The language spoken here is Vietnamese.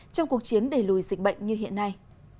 trong cuộc chiến đẩy lùi dịch bệnh như hiện nay